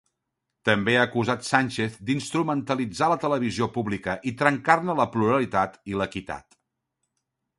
També ha acusat Sánchez d'instrumentalitzar la televisió pública i trencar-ne la pluralitat i l'equitat.